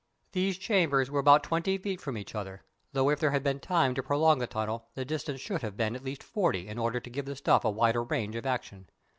These chambers were about twenty feet from each other, although if there had been time to prolong the tunnel, the distance should have been at least forty in order to give the stuff a wider range of action.